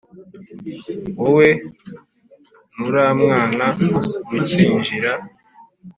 wowe nuramwana mukinjira